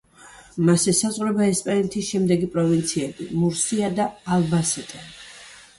მას ესაზღვრება ესპანეთის შემდეგი პროვინციები: მურსია და ალბასეტე.